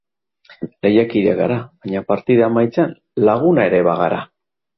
Lehiakideak gara baina partida amaitzean laguna ere bagara.